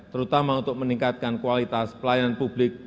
terutama untuk meningkatkan kualitas pelayanan publik